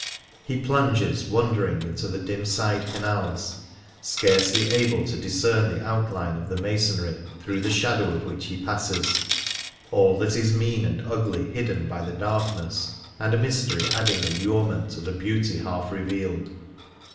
He plunges wondering into dim side canals, scarcely able to discern the outline of the masonry through the shadow of which he passes, all that is mean and ugly hidden by the darkness, and mystery adding allurement to beauty half revealed.